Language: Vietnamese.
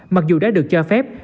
mặc dù đã được cho phép